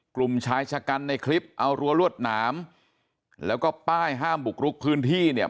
กลุ่มชายชะกันในคลิปเอารั้วรวดหนามแล้วก็ป้ายห้ามบุกลุกพื้นที่เนี่ย